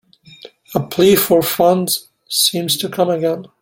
A plea for funds seems to come again.